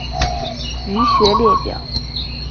腧穴列表